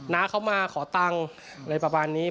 น้าเขามาขอตังค์อะไรประมาณนี้